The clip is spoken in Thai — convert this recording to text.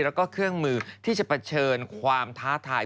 แล้วก็เครื่องมือที่จะเผชิญความท้าทาย